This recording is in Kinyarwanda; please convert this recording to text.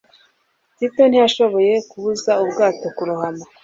Tito ntiyashoboye kubuza ubwato kurohama